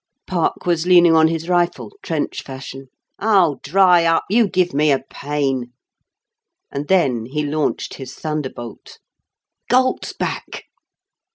Park was leaning on his rifle, trench fashion. "Oh, dry up. You give me a pain." And then he launched his thunderbolt, "Gault's back."